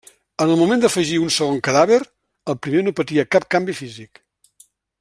En el moment d’afegir un segon cadàver, el primer no patia cap canvi físic.